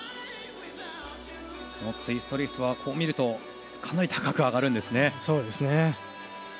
ツイストリフトは見るとかなり高く上がりますね。